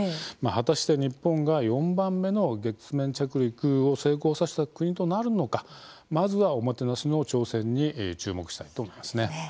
果たして、日本が４番目の月面着陸を成功させた国となるのかまずは、オモテナシの挑戦に注目したいと思いますね。